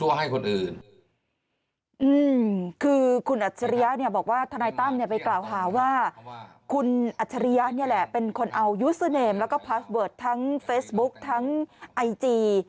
คือคุณอัจฉริยะเนี่ยบอกว่าทนายตั้มเนี่ยไปกล่าวหาว่าคุณอัจฉริยะเนี่ยแหละเป็นคนเอายูเซอร์เนมแล้วก็พาสเวิร์ดทั้งเฟซบุ๊กทั้งไอจี